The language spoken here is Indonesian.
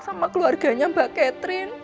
sama keluarganya mbak catherine